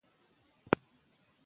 دی خپله ژبه په پوره مهارت کاروي.